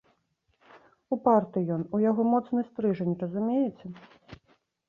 Упарты ён, у яго моцны стрыжань, разумееце.